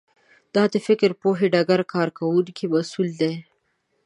دا د فکر پوهې ډګر کارکوونکو مسوولیت دی